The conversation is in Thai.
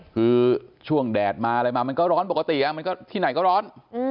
คือช่วงแดดมาอะไรมามันก็ร้อนปกติมันก็ที่ไหนก็ร้อน